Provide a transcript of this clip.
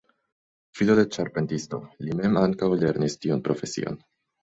Filo de ĉarpentisto, li mem ankaŭ lernis tiun profesion.